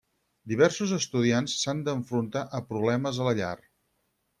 Diversos estudiants s'han d'enfrontar a problemes a la llar.